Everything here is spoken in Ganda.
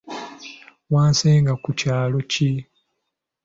Wasenga ku kyalo ki?